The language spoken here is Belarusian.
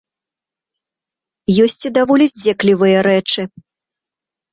Ёсць і даволі здзеклівыя рэчы.